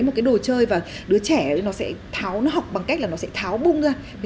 một cái đồ chơi và đứa trẻ nó sẽ tháo nó học bằng cách là nó sẽ tháo bung ra